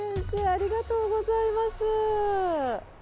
ありがとうございます。